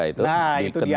nah itu dia